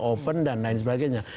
open dan lain sebagainya